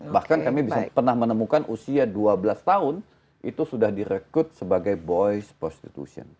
bahkan kami bisa pernah menemukan usia dua belas tahun itu sudah direkrut sebagai boys prostitution